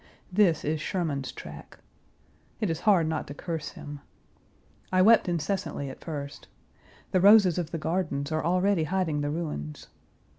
This is Sherman's track. It is hard not to curse him. I wept incessantly at first. The roses of the gardens are already hiding the ruins.